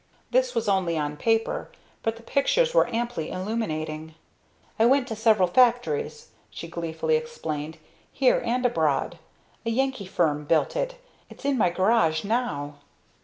This was only on paper, but the pictures were amply illuminating. "I went to several factories," she gleefully explained, "here and abroad. A Yankee firm built it. It's in my garage now!"